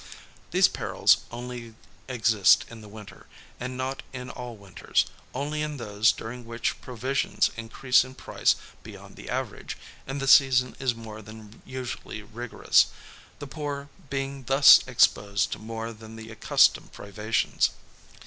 These perils only exist in the winter, and not in all winters; only in those during which provisions increase in price beyond the average, and the season is more than usually rigorous: the poor being thus exposed to more than the accustomed privations.